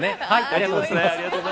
ありがとうございます。